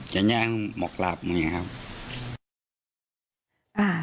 จะย้างหมอกหลาบมึงอย่างนี้ครับ